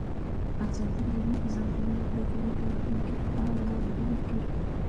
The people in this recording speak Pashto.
ازادي راډیو د د ځنګلونو پرېکول د راتلونکې په اړه وړاندوینې کړې.